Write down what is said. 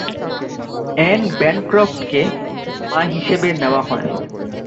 An ব্যানক্রফটকে মা হিসেবে নেওয়া হয়।